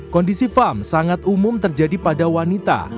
kondisi farm sangat umum terjadi pada wanita